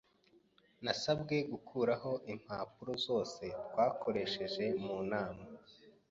Nasabwe gukuraho impapuro zose twakoresheje mu nama.